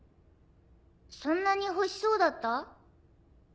そんなに欲しそうだった？